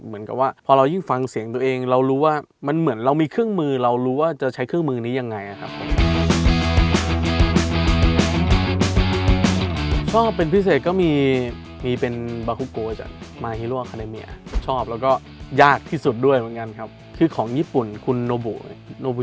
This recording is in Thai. เอ่อเรามีฝีมือน่ะหรือว่าอะไรอย่างเงี้ยมันถึงจะอยู่รอดครับ